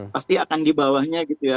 pasti akan di bawahnya gitu ya